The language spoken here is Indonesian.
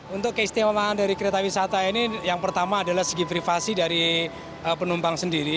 untuk keistimewaan dari kereta wisata ini yang pertama adalah segi privasi dari penumpang sendiri